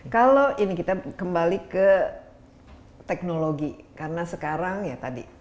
kalau ini kita kembali ke teknologi karena sekarang ya tadi